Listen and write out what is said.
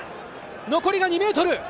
残りが２ｍ！